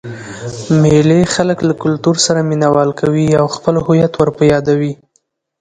مېلې خلک له کلتور سره مینه وال کوي او خپل هويت ور په يادوي.